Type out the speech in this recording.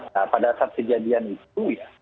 nah pada saat kejadian itu